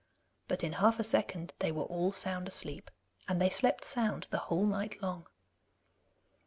But in half a second they were all sound asleep, and they slept sound the whole night long.